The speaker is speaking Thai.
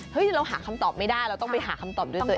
เราหาคำตอบไม่ได้เราต้องไปหาคำตอบด้วยตัวเอง